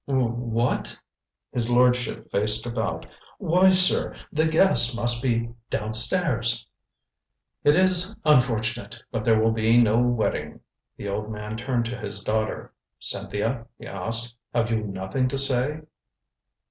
"Wha what!" His lordship faced about "Why, sir the guests must be down stairs " "It is unfortunate. But there will be no wedding." The old man turned to his daughter. "Cynthia," he asked, "have you nothing to say?"